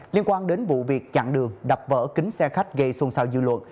liên quan đến vụ việc chặn đường đập vỡ kính xe khách gây xôn xao dư luận